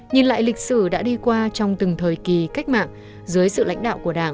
nhìn lại lịch sử đã đi qua trong từng thời kỳ cách mạng dưới sự lãnh đạo của đảng